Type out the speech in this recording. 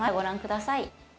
ご覧ください。